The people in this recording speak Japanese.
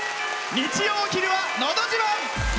日曜のお昼は「のど自慢」。